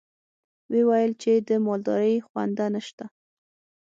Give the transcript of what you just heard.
ويې ويل چې د مالدارۍ خونده نشته.